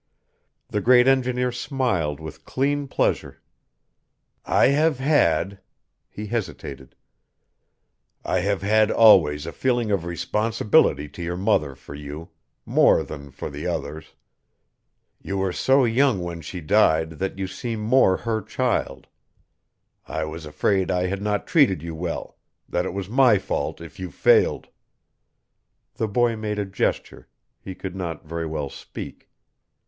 The great engineer smiled with clean pleasure. "I have had" he hesitated "I have had always a feeling of responsibility to your mother for you more than for the others. You were so young when she died that you seem more her child. I was afraid I had not treated you well that it was my fault if you failed." The boy made a gesture he could not very well speak.